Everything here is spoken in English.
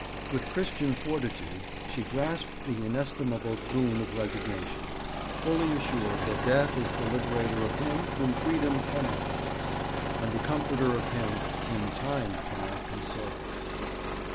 With Christian fortitude she grasped the inestimable boon of resignation, fully assured that 'death is the liberator of him whom freedom cannot release, and the comforter of him whom time cannot console.'